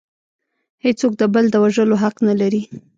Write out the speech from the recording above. هیڅوک د بل د وژلو حق نلري